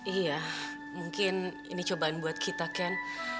iya mungkin ini cobaan buat kita kan